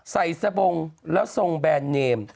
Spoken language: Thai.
ใส่สบงแล้วทรงแบรนด์เนม